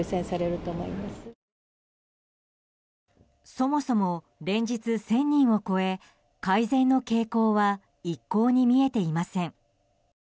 そもそも連日１０００人を超え改善の傾向は一向に見えていません。